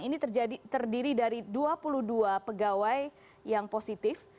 ini terdiri dari dua puluh dua pegawai yang positif